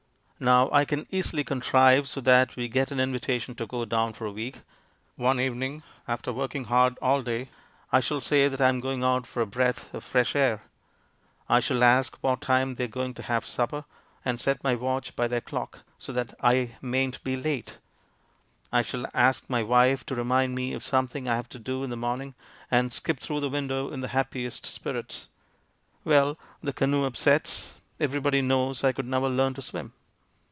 Now, I can easily contrive so that we get an invitation to go down for a week. One evening after working hard all day, I shall say that I'm going out for a breath of fresh air ; I shall ask what time they're going to have supper, and set my watch by their clock, so that I 'mayn't be late.' I shall ask my wife to remind me of something I have to do in the morning, and skip through the window in the highest spirits. Well, the canoe upsets. Every body knows I could never learn to swim."